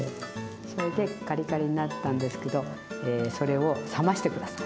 それでカリカリになったんですけどそれを冷まして下さい。